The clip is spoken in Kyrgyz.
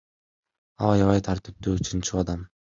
Ал аябай тартиптүү, чынчыл адам.